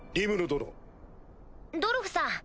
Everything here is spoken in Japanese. ドルフさん